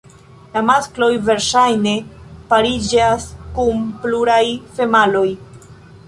La maskloj verŝajne pariĝas kun pluraj femaloj.